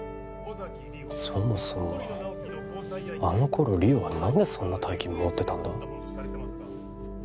そもそもあの頃莉桜は何でそんな大金持ってたんだ？